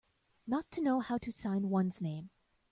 Not to know how to sign one's name.